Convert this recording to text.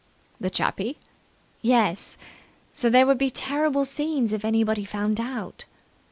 "The chappie?" "Yes. So there would be terrible scenes if anybody found out."